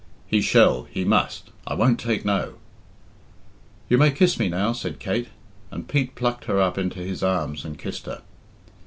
"He shall he must. I won't take No." "You may kiss me now," said Kate, and Pete plucked her up into his arms and kissed her.